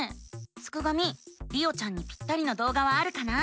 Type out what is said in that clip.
すくがミりおちゃんにぴったりな動画はあるかな？